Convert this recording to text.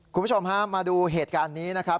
คุณผู้ชมฮะมาดูเหตุการณ์นี้นะครับ